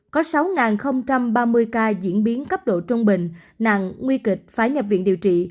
có sáu ba mươi ca diễn biến cấp độ trung bình nặng nguy kịch phải nhập viện điều trị